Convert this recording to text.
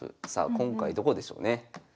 今回どこでしょうね。